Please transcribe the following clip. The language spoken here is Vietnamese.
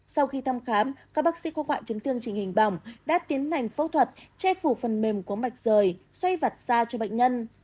sau khi thăm khám các bác sĩ quốc hội chứng thương trình hình bỏng đã tiến hành phẫu thuật che phủ phần mềm của mạch rời xoay vặt ra cho bệnh nhân